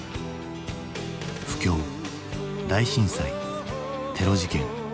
不況大震災テロ事件。